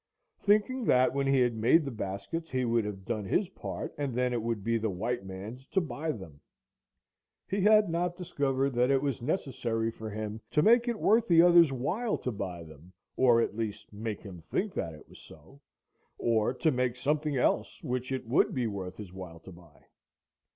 Thinking that when he had made the baskets he would have done his part, and then it would be the white man's to buy them. He had not discovered that it was necessary for him to make it worth the other's while to buy them, or at least make him think that it was so, or to make something else which it would be worth his while to buy.